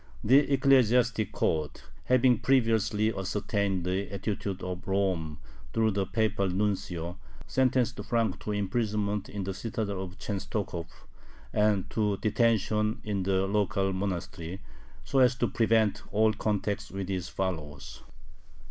The ecclesiastic court, having previously ascertained the attitude of Rome through the Papal Nuncio, sentenced Frank to imprisonment in the citadel of Chenstokhov and to detention in the local monastery, so as to prevent all contact with his followers.